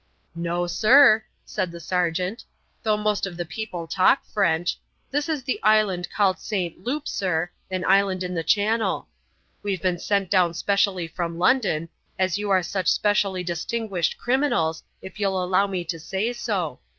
"No, sir," said the sergeant; "though most of the people talk French. This is the island called St. Loup, sir, an island in the Channel. We've been sent down specially from London, as you were such specially distinguished criminals, if you'll allow me to say so.